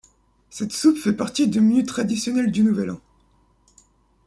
Cette soupe fait partie du menu traditionnel du Nouvel An.